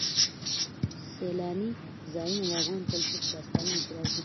سیلانی ځایونه د افغان کلتور په داستانونو کې راځي.